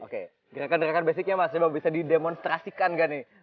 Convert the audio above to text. oke gerakan gerakan basicnya mas coba bisa di demonstrasikan gak nih